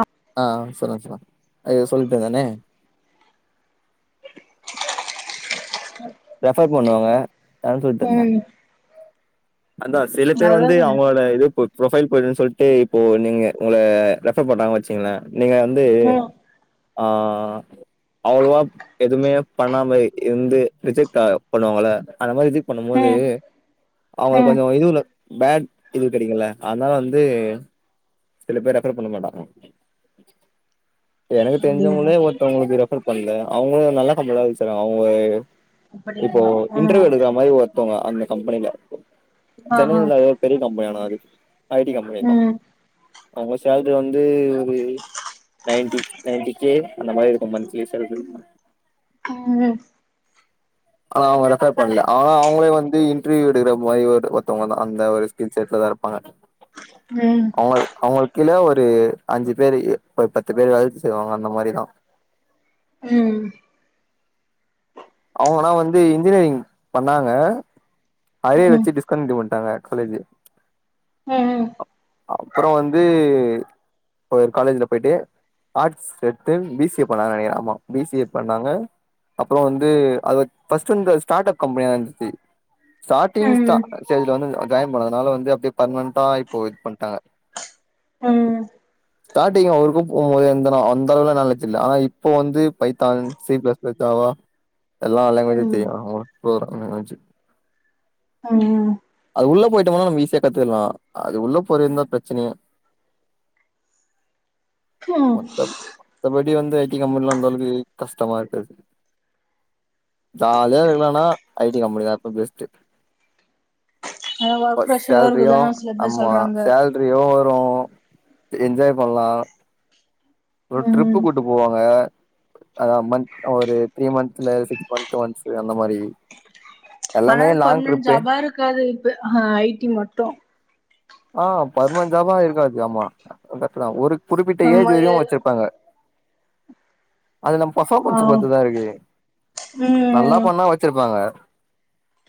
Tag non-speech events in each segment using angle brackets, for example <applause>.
ஆஹ ஆ சொல்லுங்க சொல்லுங்க அய்யோ சொல்ட்டே நானு ரெஃபர் பண்ணுவாங்க தான் சொல்ட்டிருந்த ம் அந்த சில பேர் அதுதா வந்து சொன்னே அவங்களோட இது புரொஃபைல் போதும் சொல்ட்டு இப்போ நீங்க உங்க ரெஃபர் பண்றாங்க வெச்சுக்கோங்களே நீங்க வந்து ம் ஆ அவ்வளவா எதுவுமே பண்ணாம இருந்து ரிஜெக்ட் ஆ பண்ணுவாங்கள அந்த மாதிரி ரிஜெக் பண்ணும் போது ம் அவுங்குளுக்கு ம் கொஞ்சோ இதுதா பேட் இது கெடைக்கல அதனால வந்து சில பேர் ரெஃபர் பண்ண மாட்டாங்க எனக்கு அப்டிங்களா தெரிஞ்சவுங்களே ஒருத்தவுங்குளுக் ரெஃபர் பண்ல அவுங்களோ நல்லா சம்பளோ வெச்சி தறாங்க அவுங்க இப்போ அப்படிங்களா ஆ இன்டர்வியூ எடுக்கற மாரி ஒருத்தவங்க அந்த கம்பனில இருக்கோ ஆ ஆ சென்னைலதா ஏதோ பெரிய கம்பெனி ஆனா அது ஐ டி கம்பெனி தா ம் அவங்க சேல்ரி வந்து ஒரு நைன்டி நைன்டி கே அந்த மாரி இருக்கு மன்த்லி சேல்ரி உம் ஆனா அவங்க ரெஃபர் பண்ல ஆனா அவங்களே வந்து இன்டர்வியூ எடுக்கிற மாரி ஒருத்தவங்க தா அந்த ஒரு ஸ்கில் செட்லதா இருப்பாங்க ம் அவங்க அவங்க கீழ ஒரு அஞ்சு பேர் ஒரு பத்து பேர் வேல செய்வாங்க அந்த மாரிதா உம் அவங்கனா வந்து இன்ஜினியரிங் பண்ணாங்க அதே ம் வெச்சு டிஸ்கண்டினுயு பண்ட்டாங்க காலேஜ் உஹம்ம் அப்றம் வந்து ஒரு காலேஜ்ல போய்ட்டு ஆர்ட்ஸ் எடுத்து பிசிஏ பண்ணாங்க நெனைக்கிறே ஆ பிசிஏ பண்ணாங்க அப்றம் வந்து அது பஸ்ட்டு இந்த ஸ்டார்ட் அப் கம்பெனியா இருந்துச்சு ஸ்டார்டிங் ஸ்டா ஸ்டேஞ்ள வந்து ஜாய்ன் பண்ணதுனால வந்து அப்டியே பர்மனன்டா இப்போ பண்டாங்க ம் ஸ்டார்டிங் அவருக்கு போபோது எந்த அந்த அளவுல நாளேஜ் இல்ல ஆனா இப்போ வந்து Python C plus plus Java எல்லா லாங்குவேசும் ம் தெரியு உ போற எச்காச்சு உம் உள்ள போயிட்டம்னா ஈஸியா கத்துகலா அது உள்ள போறது தா பிரச்சனையே ம் அப்டி வந்து ஐடி கம்பெனிலா அந்தளவுக்கு கஷ்டமா இருக்காது ஜாலியா இருக்கலானா ஐடி கம்பெனிதா இப்ப பெஸ்ட்டு ஆன ஒர்க் பிரசர் சேல்ரியு இருக்குனு சில பேர் ஆமா சொல்றாங்க சேல்ரியு வரு என்ஜாய் பண்ணலா ஒரு ட்ரிப்பு ம் கூப்ட்டு போவாங்க ம் ஒரு த்ரீ மந்த்ல சிக்ஸ் மந்த்த் ஒன்ஸ் அந்த மாரி ஆனா எல்லாமே அது லாங் பர்மனன்ட் ட்ரிப்பு ஜாபா இருக்காது இப்ப ஹ ஐடி மட்டு ஆஹ் பர்மன்ட் ஜாபா இருக்காது ஆமா கரெக்டு தா ஒரு குறிப்பிட்ட ஆமா ஏஜ் எ வரியு வெச்சிருப்பாங்க அது நம்ம ஆ பர்பாமன்ஸ் பெருத்துதா இருக்கு நல்லா ம் பண்ணா வெச்சிருப்பாங்க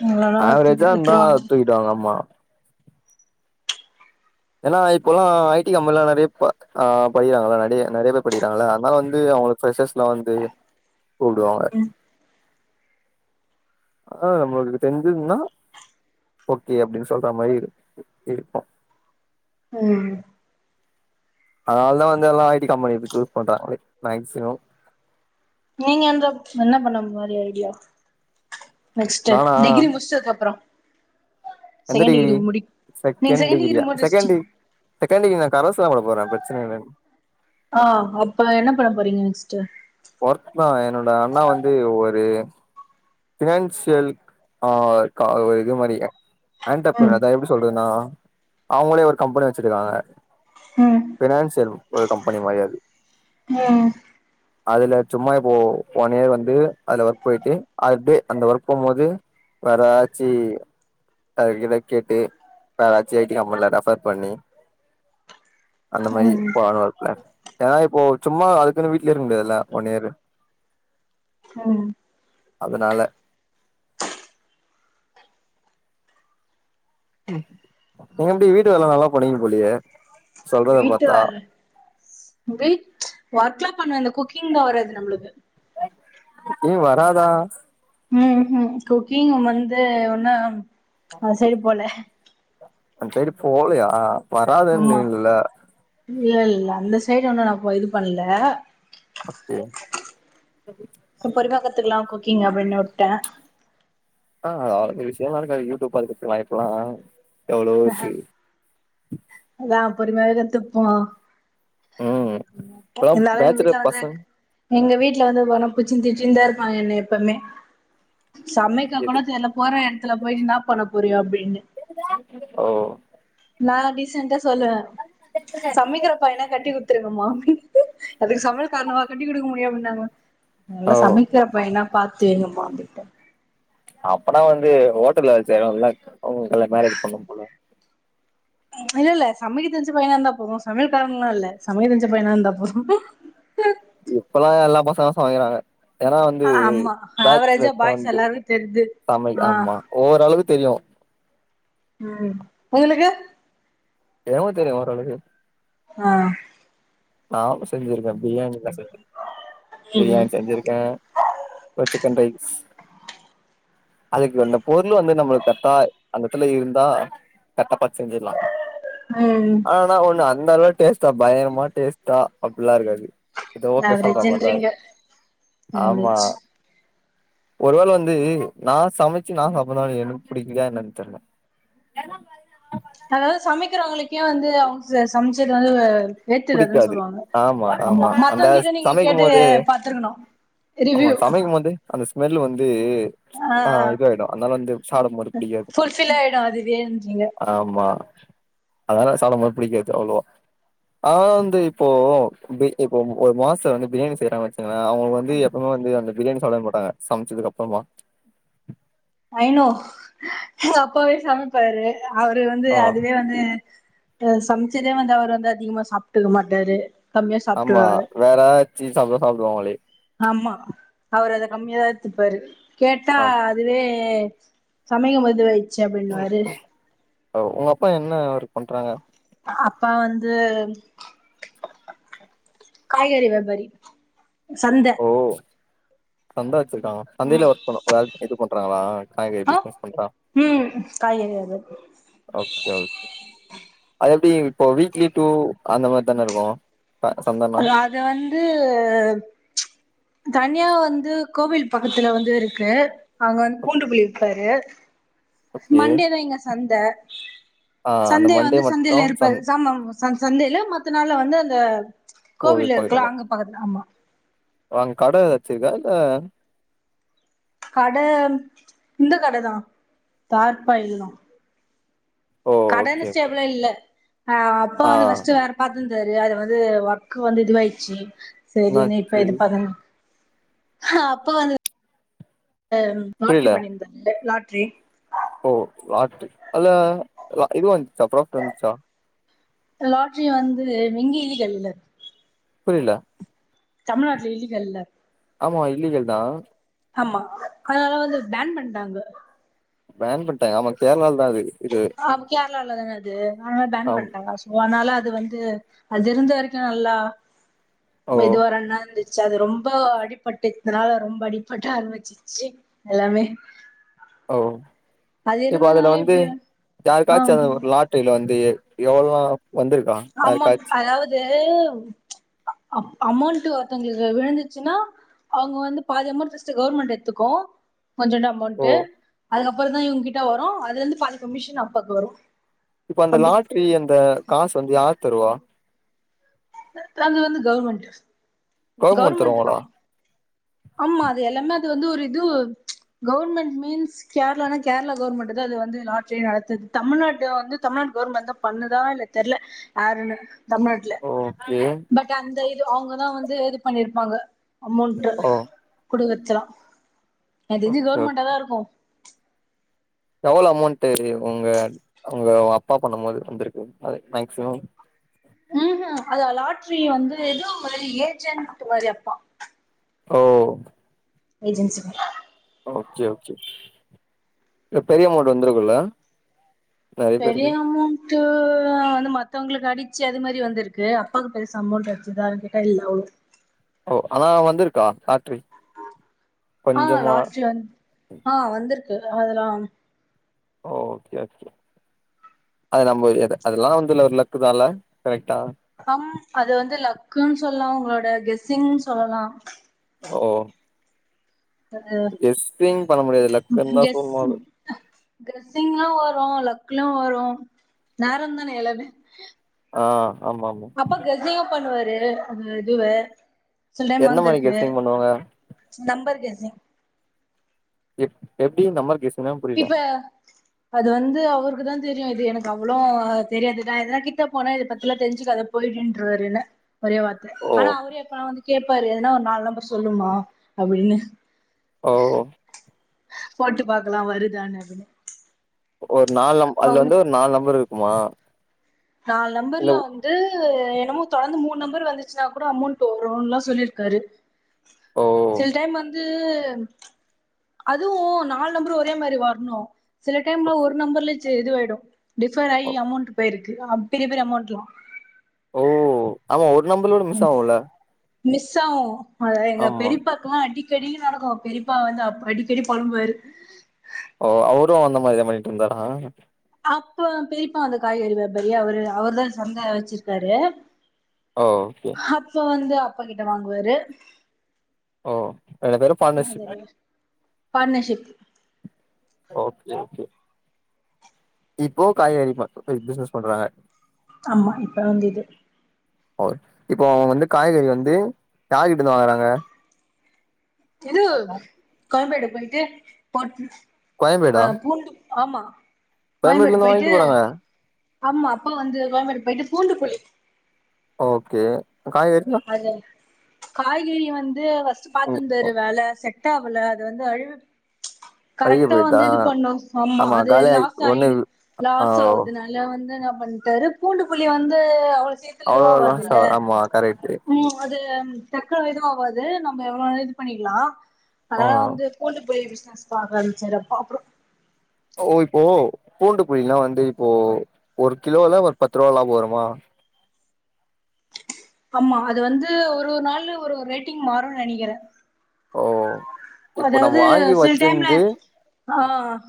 எங்களலா ஆவரேஜா இருந்தா வித்துருவாங்க தூக்கிடுவாங்க ஆமா ஏன்னா இப்பெல்லா ஐடி கம்பெனி நெறைய படிகறாங்களா நெறைய நெறைய பேர் படிகறாங்கள அதனால வந்து அவங்களுக்கு வந்து கூப்டுவாங்க ஆஹ நம்மளுக்கு தெரிஞ்சிதுன்னா ஓகே அப்டின்னு சொல்ற மாரி இரு இருக்கு உம் அதனால தா வந்து எல்லா ஐடி கம்பெனி சூஸ் பண்றாக மேக்சிமம் நீங்க அந்த என்ன பண்ண மாரி ஐடியா நெக்ஸ்ட் நானா டிகிரி முடிச்சதுக்கு அப்புறம் எந்த செகண்ட் டிகிரி முடி நீங்க செகண்ட் டிகிரி செக்கண்ட்டிகிரியா முடிச்சி செகண்டி செக்கண்டி கரஸ்தா போட போறே பிரச்சன இல்லன் ஆ அப்ப என்ன பண்ண போறிங்க நெக்ஸ்ட்டு ஒர்க்தா என்னோட அண்ணா வந்து ஒரு பினான்சியல் ஆ க ஒரு இது மாரி ம் ஆண்டர்பர்னர் அதா எப்டி சொல்றதுனா அவங்களே ஒரு கம்பெனி வெச்சிருக்காங்க ம் டேன்செல் ஒரு கம்பெனி மாரி அது ம் அதுல சும்மா இப்போ ஒன் இயர் வந்து அதுல ஒர்க் போயிட்டு அதப்டே ஒர்க் போகும்போது வேறெதாச்சி இடை கேட்டு யாராச்சி ஐ டி கம்பெனில ரெஃபர் பண்ணி அந்த மாரி ம் போலானு ஒரு ப்ளான் ஏனா இப்போ சும்மா அதுக்குனு வீட் லயே இருக்க முடியதுல ஒன் இயர் ம் அதனால நீங்க எப்டி வீட்டு வேல நல்லா பண்விங்க போலயே சொல்றத வீட்டு பாத்தா வேல வீட் ஒர்க்லா பண்ணுவ இந்த குக்கிங் தா வராது நம்ளுக்கு குக்கிங் வராதா ம் ஹு குக்கிங் வந்து இன்னொ அந்சைடு போல அந்சைடு போவ்லயா வராதுன்னிங்ல்ல இல் அந்த சைடு இன்னு நா போ இது பண்ல அ ஹே சூப்பர்அருமையாஇருக்கு கத்துக்கலாம் குக்கிங் அப்படின்னு உட்டன் ஆ விஷயம்ல்லா இல்ல யூடியூப் பாத்துக் கத்துகலாம் இப்பல்லா எவ்வளவு ஃபீ நான் பொறுமயாவே கத்துப்போ ம் இப்பல்லா இருந்தாலும் எங்க வீட்ல பேச்சுலர் வந்து பசங் எங்க வீட்ல வந்து போனப் குச்சி திச்சிந்தான் இருப்பா என்ன எப்பவுமே சமைக்க கூட எது தெர்ல போற எடத்துல போயி இன்னா பண்ண போறியோ அப்டின்னு ஓ நா ரீசண்ட்டா சொல்லுவ சமைக்கிற பையனா கட்டி குத்துருங் ம் வாங்கி அதுக்கு சமையல் காரணவா கட்டி் குடுக்க முடியும் அப்படின்னாங்க நல்லா ஓ சமைக்கிறப் பையனா பாத்து ஏமாந்துத்தே அப்பதான் வந்து ஹோட்டல செய்வோம்ல்ல அவுங்குள மேரேஜ் பண்ணும் போல இல்ல இல்ல சமைக்க தெரிஞ்ச பையனா இருந்தா போதும் சமையல் காரங்கல்லா இல்ல சமையல் தெரிஞ்ச பையனா இருந்தா போது இப்பல்லாம் எல்லா பசங்களும் சமைக்கிறாங்க ஏனா வந்து ஆமா ஆவரேஜா பேச்சுலர்ஸ் பாய்ஸ் வந்து எல்லாருக்கு தெரிது சமை ஆ ஆமா ஒரளவுக் தெரியு ம் உங்களுக்கு எவ்ளோ தெரியு ஓரளவுக்கு ஆஹ் நான் செஞ்சிருக்கேன் பிரியாணி ம் ம் பிரியாணி செஞ்சிருக்கேன் இ சிக்கன் ரை அதுக்கு அந்த பொருள் வந்து நம்மளுக்கு கரெக்டா அந்தத்துல இருந்தா கரெக்டாப்பாத் செஞ்சிடலாம் ம் ஆனா ஒண்ண அ இந்த அளவு டேஸ்டா பயங்கறமா டேஸ்ட் ஏன் அப்படிலாம் இருக்காது இத ஓகே சொல்ற மார் தான் ஆவரேஜ்ன்றீங்க ஆமா ஆவரேஜ் ஒருவேளை வந்து நான் சமைச்சு நான் சாப்ட்றனால எனக்கு புடிக்கலாயா என்னன் தெரில அதாவது சமைக்கிறவங்களுக்கே வந்து அவங்க சமைச்சது வந்து ஏத்துறதுன்னு புடிக்காது சொல்லுவாங்க ஆமா அந்த மத்தவங்க கிட்ட நீங்க சமைக்கும் கேட்டு போது பாத்துருக்கணும் ஆமா ரிவ்யூ சமைக்கும் போது அந்த ஸ்மெல் வந்து ஆ ஆஹ் இது ஆயிடும் அதனால வந்து சாப்பிடம் போது புடிக்காது ஃபுல்ஃபில் ஆயிடு அதுவேன்றீங்க ஆமா அதலா சாப்டும்போது பிடிக்காது அவ்ளவா ஆஹ் வந்து இப்போ இப்போ ஒரு மாஸ்டர் வந்து பிரியாணி செய்றாங்க வச்சு அவங்களுக்கு வந்து எப்பவுமே வந்து அந்த பிரியாணி சாப்பிட மாட்டாங்க சமைச்சதுக்கு அப்புறமா ஐனோ அப்பாவே சமைச்சாரு அவரு வந்து ஆ அதுவே வந்து அஹ் சமைச்சதே வந்து அவரு வந்து அதிகமா சாப்பிட்டுக்க மாட்டாரு கம்மியா ஆமா சாப்ட்டுருவாரு வேற ஸ்வீட் சாப்பிட்டு தான் சாப்டுவாங்களே ஆமா அவரு அத கம்மியாதான் எடுத்துப்பாரு கேட்டா ஆ அதுவே. ஏ சமைக்கபோது ச்ச அப்படின் வாரு உன் அப்பா என்ன ஒர்க் பண்றாங்க. அப்பா வந்து காய்கறி வெபாரி சந்தை. ஓ சந்தா. இருக்காங்க சந்தையில ஒர்க் பண்ணு வே இது பண்ணும் <unintelligible> அஹ உம் காய்கறி அது ஓகே ஓகே. அது எப்படி இப்போ வீக்லி டுஅந்த மாதிரி தானே இருக்கு ச சந்தனா அ அது வந்து. தனியா வந்து. கோவில் பக்கத்துல வந்து இருக் இருக்கு அங்க வந்து பூண்டு புளி விப்பாரு. ஓகே மண்டே தான் இங்க சந்த ஆ அந்த சந்தைய மண்டே வந்து மட்டு சந்தையில சந் இருப்பது ஆம. ச சந்தையில மத்த நாள்ல வந்து அந்த. கோவில் இருக்குலா அங்க பக்கத்துல ஆமா. வாங்க கட எதாச்சிருக்கா இல்ல. கட இந்த கடதான் தார்ப்பா இதுதான். ஓ ஓகே ஓகே. அப்ப ஆ வந்து ஃர்ஸ்ட் வேற பாத். ந்தாரு அதது வந்து ஒர்க்க வந்து இதுவாயிச்சு. செரி நீ இப்ப என்னாச்சு எது ப்த்தங்க. ஆ அப்போ வந்து. லாட்ரி புரியல பண்ணியிருந்தது லாரி. தே ஓ லாட்ரி அல்ல இது வந்துச்சா பிராஃபிட் வந்துச்சா. லாட்ரி வந்து வெங்கயலிகள்ல்ல. <unintelligible> புரில. தமிழ்நாட்ல இல்லிகள்ல. ஆமா இல்லிகள் தான். ஆமா அதனால வந்து பேன் பண்டாங்க பேன் பண் ஆமா கேரளால தா அது இது கேரளால <unintelligible> அதனால பேன் ஆம் பண்டாங்க சோ அதனால அது வந்து அது இருந்த வரைக்கூ நல்லா ஓ மெதுவா ரண்ண இருந்த் அது ரொம்ப அடிபட்டுனால ரொம்ப அடிபட்டா ஆரம்பிச்சிருச்சு எல்லாமே ஓ அது இப்ப இருந்ததுனால அதுல வந்து இப்டி ஆ யாருக்காச்சு அ ஒரு லாட்ரில வந்து எவ்ளோ வந்திருக்கா அமௌண்ட் யாருக்காச்சு அதாவது அமௌண்ட் ஒருத்தவங்களுக்கு விழுந்துச்சுன்னா அவங்க வந்து பாதி அமௌண்ட் ஃபஸ்ட் கவர்மெண்ட் எடுத்துக்கு கொஞ்சோண்டு ஓ அமௌண்ட்டு அதுக் கப்றோ இவங்ககிட்ட வரு அதுலருந்து பாதி கமிஷன் அப்பாக்கு வரு இப்ப அந்த அப்டி லாட்ரி அந்த காசு வந்து யார் தருவா அது வந்து கவுர்மெண்ட்டு கவர்மெண்ட் கவுர்மெண்ட்தா தருவாங்களா ஆமா அது எல்லாமே அது வந்து ஒரு இது கவுர்மெண்ட் மீன்ஸ் கேர்ளானா கேரளா கவுர்மெண்ட்தா இது வந்து லாறட்ரியே நடத்துது தமிழ்நாட்ட வந்து தமிழ்நாடு கவர்மெண்ட் வந்து பண்ணுதா இல்ல தெர்ல யாருன்னு தமிழ்நாட்டுல ஓகே பட் அந்த அவங்கதா வந்து எடுத்து பண்ணிருப்பாங்க அமௌண்ட்டு ஓ குடுக்கறதுக் த்ர எனக்கு தெஞ்சு ஓகே ஓகே கவர்மெண்டாதா இருக்கு எவ்ளோ அமௌண்ட்டு உங்க உங்க அப்பா பண்ணும் போது வந்திருக்கு அ மேக்சிமம் ம் ஹூ அத லாட்ரி வந்து எதோ ஏஜென்ட் மாரி அப்பா ஓ ஏஜென்சி மார் ஓகே ஓகே இல்ல பெரிய அமௌண்ட் வந்துருக்குல்ல பெரிய அமௌண்ட் வந்து மத்தவங்களுக்கு அடி ச்சு அது மாரி வந்திருக்கு அப்பாக்கு பெருசா அமௌண்ட் அச்சுதான் கேட்டா இல்ல அவ்ளொ ஓ ஆனா வந்துருக்கா ஆ லாட்ரி வந் ஆ வந்துருக் கு அதுலா ஓகே ஓகே அது நம்ம அதெல்லா வந்து ஒரு லக்கு தால கரெக்டா அம் அது வந்து லக்குன்னு சொல்லலா உங்களோட கெஸ்ஸிங்னு சொல்லலா ஓ அது கெஸ்ஸிங் பண்ண முடியாது லக்குன்னு தா கெஸ் சொல்லணு அது கெஸ்ஸிங்கு வரு லக் ல வரு நேரந்தான எல்லமே ஆ ஆமா ஆமா அப்ப கெஸ்ஸிங்கு பண்ணுவாரு து அதுவே சில டைம் எந்த மாரி வந்திருக்கு கெஸ்ஸிங் பண்ணுவாங்க நெம்பர் கெஸ் எப் எப்டி நம்ம கெஸ் இப்ப அது வந்து அவுருக்குதா தெரியு இது எனக்கு அவ்ளோ தெரியாது நா எனா கிட்ட போனே இதை பத்திலா தெரிஞ்சுக்காத போயிடுன்றுவாரு என்ன ஒரே வார்த்த ஓ ஆனா அவரே எப்பனா வந்து கேபாரு எதுன்னா ஒரு நாலு நம்பர் சொல்லுமா அப்படின்னு ஓ போட்டு பாத் எல்லா வருதானனு அப்படின்னு ஒரு நாலு நம் அதுல வந்து ஒரு நாலு நம்பரு மா நாலு நம்பர்ல வந்து எ தொடர்ந்து மூணு நம்பர் வந்துச்சுன்னா கூட அமௌண்ட் வரும்லா சொல்லிருக்காரு ஓ சில டைம் வந்து <unintelligible> அதுவும் நாலு நம்பர் ஒரே மாதிரி வரணும் சில டைம்ல ஓகே ஒரு நம்பர்ல யே இதுவாயிடும் டிஸ்ப்பிரேட் ஓ ஆகி அமௌண்ட் போயிருக் எல்லா பெரிய பெரிய அமௌண்ட்லா ஓ ஆமா ஓட் நம்மளோட மிஸ் ஆகும்ல மிஸ் ஆகும் அத எங்க பெரியப்பாக்கல்லா அடி டைலியும் நடக்கும் பெரியப்பா வந்து அப் அடிக்கடி பொழம்புவாரு ஓ அவரும் அந்த மாரிதா பண்ணிட்டு இருந்தார அப்ப பெரியப்பா அந்த காய்கறி வியபாரியா அவரு அவர்தான் சந்தை வச்சிருக்காரு ஓ ஓகே ந்து அப்பா கிட்ட வாங்குவாரு ஓ ரெண்டு பேரு பார்ட்னர்ஷிப் பார்ட்னர்ஷிப் ஓகே ஓகே இப்போ காய்கறி மார்க்கெட் பிசினஸ் பண்றாங்க ஆமா இப்ப வந்து இது ஓ இப்போ அவங்க வந்து காய்கறி வந்து யார் கிட்டிருந்து வாங்கறாங்க இது கோயம்பேடு போயிட்டு போட்டு ஆ பூண்டு ஆமா கோயம்பேட்டில் கோயம்பேடு இருந்தா போயிட்டு வாங்கிட்டு போறாங்க ஆமா அப்பா வந்து கோயம்பேடு போயிட்டு பூண்டு போளி ஓகே அப்போ காய்கறியெல்லா ச் காய்கறி வந்து பாத்துருந்தாரு வேல செட் செட்டாவல அது வந்து அழு ச் அழுகி கரக்டா போயிட்டா வந்து இது பண்ணு ஆமா அது காலியா லாஸ் ஆயி ஒண்ணு ஆ லாஸ் ஆகுதுனால வந்து நா வண்டாரு பூண்டு புளி வந்து அவ அவ்ளோ லாசா ஆமா கரெக்ட் உம் அது டக்குனு எதுவு ஆவாது நம்ம எவ்ளோ வேணாலு இது பண்ணிற்லாம் ஆ அதனால வந்து பூண்டு புளி பிஸ் னஸ் பாக்க ஆரம்பிச்சறப்பா அப்றோ ஓ இப்போ பூண்டு புளிலாம் வந்து இப்போ ஒரு கிலோல ஒரு பத்து ரூபா லாப வருமா ஆமா அது வந்து ஒரு ஒரு நாளு ஒரு ஒரு ரேட்டிங் மாறும்னு நெனைக்கிறே ஓ இப்போ நம்ம அதாவது வாங்கி சில டைம்ல வச்சிருந்து ஆஹ்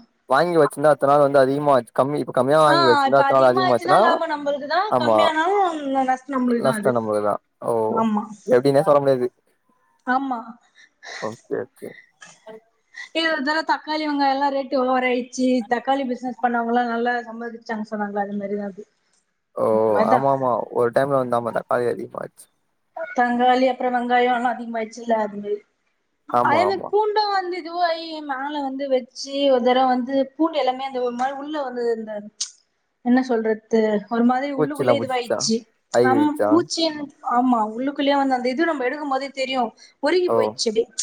இன்னு அத்தன நாள் வந்து அதிகமாச் கம்மி இப்ப கம்மியா ஆ வாங்கி வச்சுந்தா இப்ப அத்த நாள் அதிகமா ஆச்சுன்னா அதிகமாச்சுன்னா லாபோ நம்மளுக்குதா ஆமா கம்மியானாலு நஷ்டோ நம்மளுக்குதா அது நஷ்டம் நம்மளுக்குதான் ஓ ஆமா எப்டினே சொல்ல முடியாது ஆமா ஓகே <unintelligible> இது <unintelligible> தக்காளி வெங்காயம் எல்லா ரேட்டு ஓவர் ஆயி ச்சு தக்காளி பிஸ்னஸ் பண்ணவங்கல்லாம் நல்லா சம்பாதிச்சாங்க சொன்னாங்கள்ள அது மாரிதா அது ஓ உண்மதா ஆமா ஆமா ஒரு டைம்ல வந்தாமா தக்காளி அதிகமா தங்காளி அப்புறம் வெங்காயம் எல்லாம் அதிகமாய்ச்சுல்லா அது மாரி ஆமா அதே மாரி ஆமா பூண்டும் வந்து இதுவாயி மேல வந்து வச்சு ஒரு தடவ வந்து பூண்டு எல்லாமே அந்த ஒரு மாரி உள்ள வந்து இந்த ச் என்ன சொல்றது ஒரு மாரி பூச்சில்லா உள்ளுக்குள்ளே புடிச்சிச்சா இதுவாயிடுச்சு ச் ஐ நம்ம இழுச்சா பூச்சிய ஆமா உள்ளுள்ளயே வந்து அந்த இது நம்ம எடுக்கும்போதே தெரியும் பொருகி ஓ போயிடுச்சு அப்டியே ச்